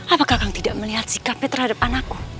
apa kakak tidak melihat sikapnya terhadap anakku